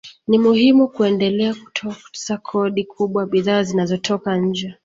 Ni muhimu kuendelea kutoza kodi kubwa bidhaa zinazotoka nje